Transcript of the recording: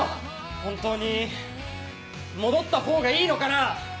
本当に戻ったほうがいいのかな？